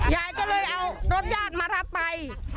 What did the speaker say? ยายก็เลยเอารถญาติมารับไป